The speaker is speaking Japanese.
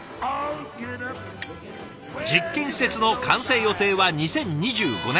実験施設の完成予定は２０２５年。